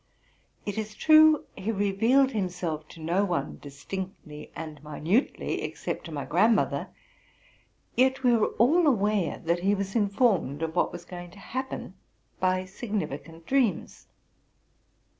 It is true he revealed himself to no one distinctly and minutely, except to my grandmother; yet we were all aware that he was informed of what was going to happen by significant dreams.